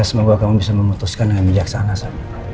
ya semoga kamu bisa memutuskan dengan bijaksana sa